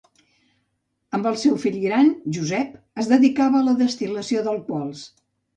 Amb el seu fill gran, Josep, es dedicava a la destil·lació d'alcohols.